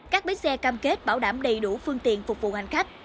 các bến xe cam kết bảo đảm đầy đủ phương tiện phục vụ hành khách